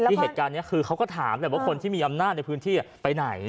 เหตุการณ์นี้คือเขาก็ถามแหละว่าคนที่มีอำนาจในพื้นที่ไปไหน